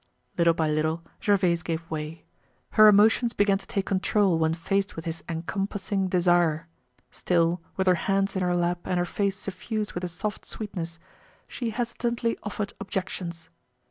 Little by little, Gervaise gave way. Her emotions began to take control when faced with his encompassing desire. Still, with her hands in her lap and her face suffused with a soft sweetness, she hesitantly offered objections.